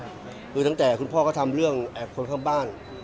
เลยฮะคือตั้งแต่คุณพ่อก็ทำเรื่องแอบคนค่ะบ้าน